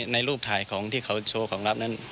ในรูปถ่ายของที่เขาโชว์ของลับนั้น